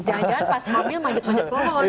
jangan jangan pas hamil manjat manjat pohon